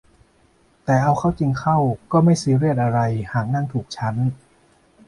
แต่เอาเข้าจริงเข้าก็ไม่ซีเรียสอะไรหากนั่งถูกชั้น